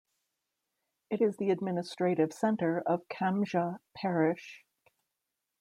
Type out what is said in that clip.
It is the administrative centre of Kambja Parish.